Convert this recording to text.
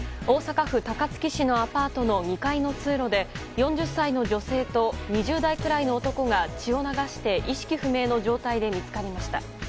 大阪府高槻市のアパートの２階の通路で４０歳の女性と２０代くらいの男が血を流して意識不明の状態で見つかりました。